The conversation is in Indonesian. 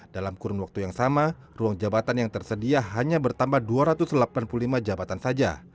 dalam kurun waktu yang sama ruang jabatan yang tersedia hanya bertambah dua ratus delapan puluh lima jabatan saja